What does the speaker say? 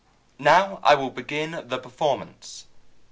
"Now I will begin the performance."